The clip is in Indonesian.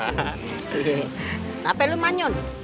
kenapa lu tersenyum